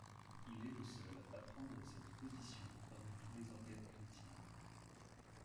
Il est le seul à prendre cette position parmi tous les organes chrétiens.